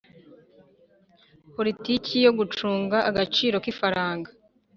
politiki yo gucunga agaciro k'ifaranga